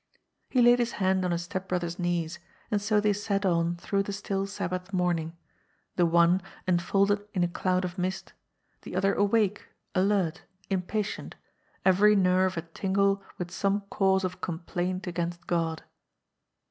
He laid his hand on his step brother's knees, and so they sat on through the still Sabbath morning, the one, enfolded in a cloud of mist, the other awake, alert, impatient, every nerve a tingle with some cause of complaint against God.